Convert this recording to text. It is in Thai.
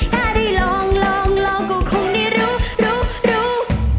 ถ้าได้ลองลองก็คงได้รู้รู้